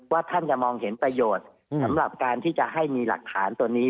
ท่านจะมองเห็นประโยชน์สำหรับการที่จะให้มีหลักฐานตัวนี้